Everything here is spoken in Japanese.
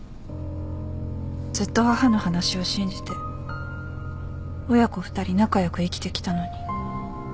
ずっと母の話を信じて親子２人仲良く生きてきたのに。